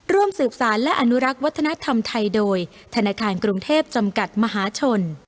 ร่วมสืบสารและอนุรักษ์วัฒนธรรมไทยโดยธนาคารกรุงเทพจำกัดมหาชน